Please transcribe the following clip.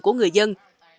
của người dân